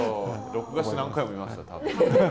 録画して何回も見ますよ多分。